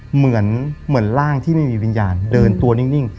เหมือนร่างที่ไม่มีวิญญาณเดินตัวนิ่ง